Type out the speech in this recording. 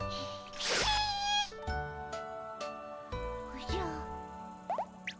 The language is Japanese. おじゃ。